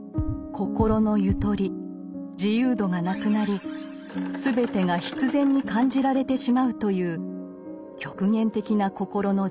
心のゆとり自由度がなくなりすべてが必然に感じられてしまうという極限的な心の状態。